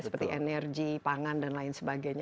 seperti energi pangan dan lain sebagainya